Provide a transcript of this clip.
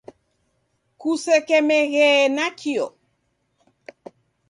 Kusekemeghee nakio.